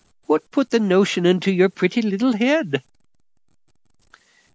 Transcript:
What put that notion into your pretty little head?"